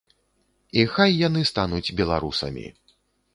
І хай яны стануць беларусамі!